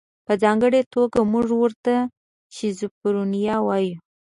په ځانګړې توګه موږ ورته شیزوفرنیا وایو.